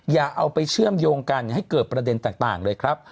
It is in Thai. อย่าเอาไปเชื่อมโยงกันให้เกิดประเด็นต่างเลยครับ